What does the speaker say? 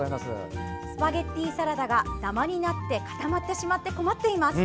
「スパゲッティサラダがダマになって固まってしまって困っています。